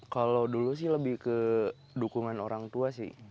kalau dulu sih lebih ke dukungan orang tua sih